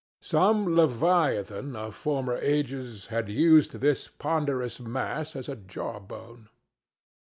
Some leviathan of former ages had used this ponderous mass as a jaw bone.